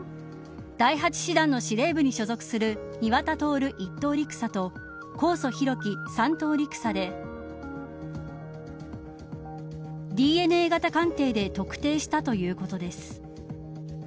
第８師団の司令部に所属する庭田徹１等陸佐と神尊晧基３等陸佐でＤＮＡ型鑑定で特定したということです。